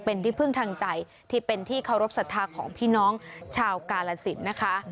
เป็นที่พึ่งทางใจที่เป็นที่เคารพสัทธาของพี่น้องชาวกาลสินนะคะ